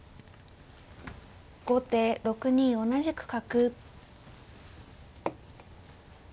後手６二同じく角。